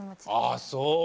ああそう。